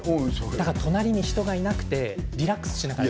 だから隣に人がいなくてリラックスしながら。